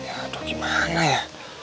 aduh gimana ya